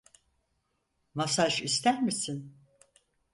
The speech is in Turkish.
Masaj ister misin?